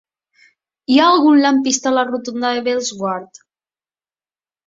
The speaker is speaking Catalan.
Hi ha algun lampista a la rotonda de Bellesguard?